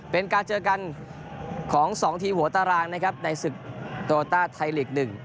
เป็นการเจอกันของ๒ทีมหัวตารางนะครับในศึกโตโลต้าไทยลีก๑